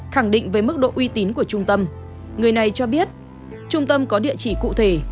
khẳng định với mức độ uy tín của trung tâm người này cho biết trung tâm có địa chỉ cụ thể